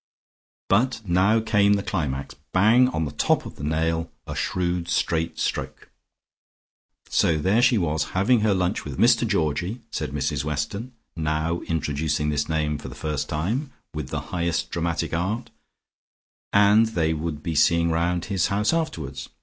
But now came the climax, bang on the top of the nail, a shrewd straight stroke. "So there she was having her lunch with Mr Georgie," said Mrs Weston, now introducing this name for the first time, with the highest dramatic art, "and they would be seeing round his house afterwards.